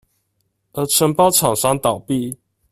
而承包廠商倒閉